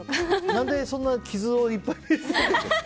何で、そんな傷をいっぱい見せる。